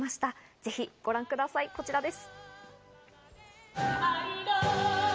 ぜひご覧ください、こちらです。